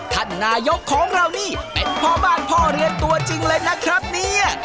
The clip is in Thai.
ท่านนายกของเรานี่เป็นพ่อบ้านพ่อเรียนตัวจริงเลยนะครับเนี่ย